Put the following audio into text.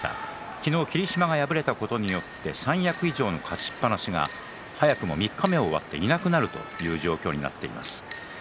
昨日、霧島が敗れたことによって三役以上の勝ちっぱなしが早くも三日目を終わっていなくなるという状況になっています。